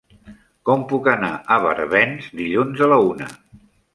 Com puc anar a Barbens dilluns a la una?